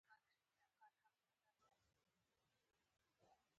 د سوړوالي او تودوالي میزان د ترمامتر پواسطه ټاکل کیږي.